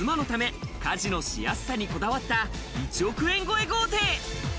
お子さん３人と妻のため、家事のしやすさにこだわった１億円超え豪邸。